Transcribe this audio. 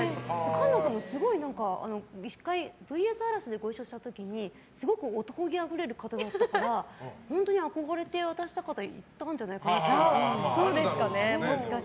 環奈さんも１回「ＶＳ嵐」でご一緒した時にすごく男気あふれる方だったから本当に憧れて渡した方いらしたんじゃないですかね。